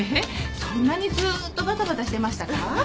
そんなにずっとばたばたしてましたか？